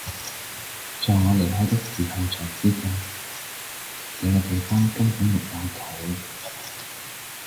在我離開的時候才知道，這個地方根本沒有桃